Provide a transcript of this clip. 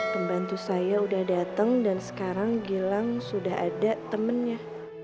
pembantu saya sudah datang dan sekarang gilang sudah ada temennya